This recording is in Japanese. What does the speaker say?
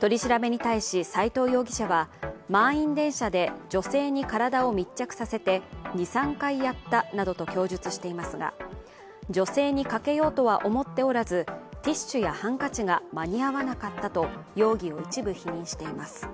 取り調べに対し斎藤容疑者は満員電車で女性に体を密着させて、２３回やったなどと供述していますが、女性にかけようとは思っておらずティッシュやハンカチが間に合わなかったと容疑を一部否認しています。